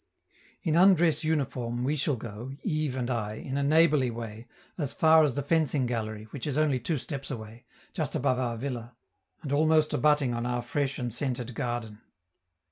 In undress uniform we shall go, Yves and I, in a neighborly way, as far as the fencing gallery, which is only two steps away, just above our villa, and almost abutting on our fresh and scented garden.